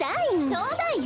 ちょうだいよ。